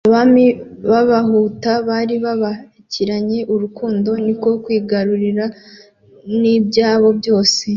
Abami b'Abahutu bari babakiranye urukundo, niko kwigarurira n'ibyabo byose.